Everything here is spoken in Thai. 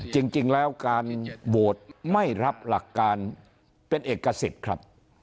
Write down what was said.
จริงแล้วการโหวตไม่รับหลักการเป็นเอกสิทธิ์ครับ